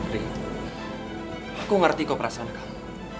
aku ngerti kau perasaan kamu